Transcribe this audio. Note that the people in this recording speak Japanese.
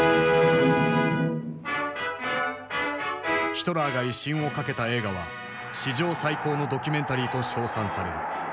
ヒトラーが威信を懸けた映画は史上最高のドキュメンタリーと称賛される。